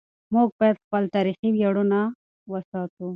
موږ باید خپل تاریخي ویاړونه وساتو.